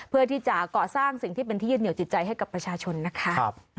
เพื่อที่จะก่อสร้างสิ่งที่เป็นที่ยึดเหนียวจิตใจให้กับประชาชนนะคะ